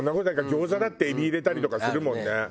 餃子だってエビ入れたりとかするもんね。